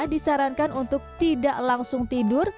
disarankan untuk tidak langsung tidur